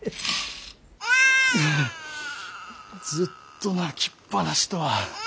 ずっと泣きっぱなしとは。